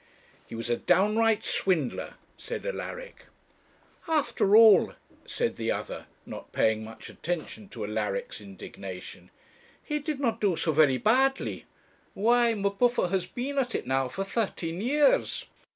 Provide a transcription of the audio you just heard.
'He was a downright swindler,' said Alaric. 'After all,' said the other, not paying much attention to Alaric's indignation, 'he did not do so very badly. Why, M'Buffer has been at it now for thirteen years.